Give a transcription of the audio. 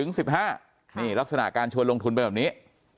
นี่ลักษณะการชวนลงทุนเป็นแบบนี้